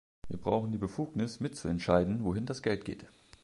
Wir brauchen die Befugnis, mitzuentscheiden, wohin das Geld geht.